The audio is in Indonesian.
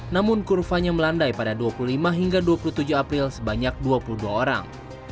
namun kurvanya melandai pada dua puluh lima hingga dua puluh tujuh april sebanyak dua puluh dua orang